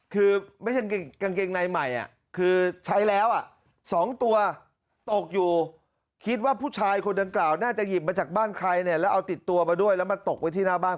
คือไม่ใช่กางเกงในใหม่อ่ะคือใช้แล้วอ่ะ